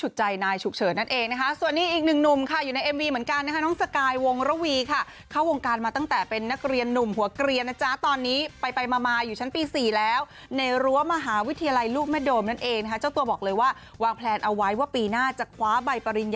ดีใจมากจริงแล้วเกินความความหมายของเราทั้งคู่